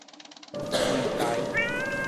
櫃臺